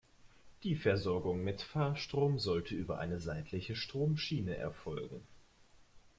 Die Versorgung mit Fahrstrom sollte über eine seitliche Stromschiene erfolgen.